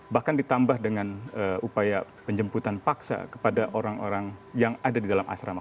bahkan ditambah dengan upaya penjemputan paksa kepada orang orang yang ada di dalam asrama